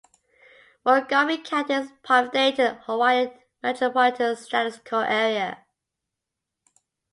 Montgomery County is part of the Dayton, Ohio Metropolitan Statistical Area.